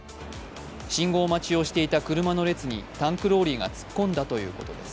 信号待ちをしていた車の列にタンクローリーが突っ込んだということです。